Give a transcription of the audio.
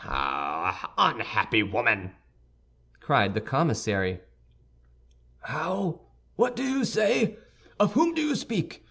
"Oh, unhappy woman!" cried the commissary. "How? What do you say? Of whom do you speak?